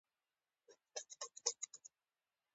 ازادي راډیو د د کانونو استخراج ستونزې راپور کړي.